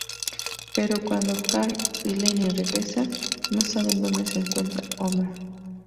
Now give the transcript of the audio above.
Pero, cuando Carl y Lenny regresan, no saben donde se encuentra Homer.